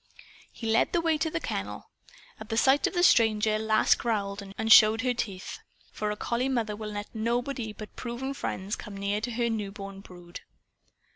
He led the way to the kennel. At sight of the stranger Lass growled and showed her teeth. For a collie mother will let nobody but proven friends come near to her newborn brood.